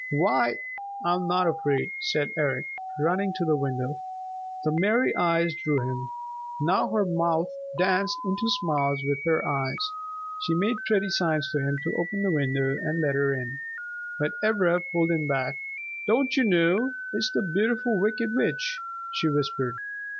"Why, I'm not afraid," said Eric, running to the window. The merry eyes drew him. Now her mouth danced into smiles with her eyes. She made pretty signs to him to open the window and let her in. But Ivra pulled him back. "Don't you know? It's the Beautiful Wicked Witch!" she whispered.